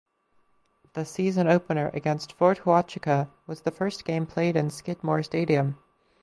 The season opener against Fort Huachuca was the first game played in Skidmore Stadium.